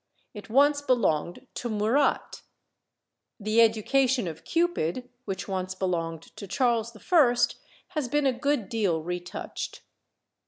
It once belonged to Murat. The "Education of Cupid," which once belonged to Charles I., has been a good deal retouched.